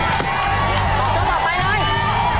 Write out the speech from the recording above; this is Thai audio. ต้องต่อไปหน่อย